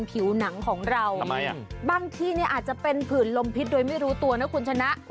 บางทีเนี่ยอาจจะเป็นผื่นลมพิษโดยไม่รู้ตัวนะคุณชนะ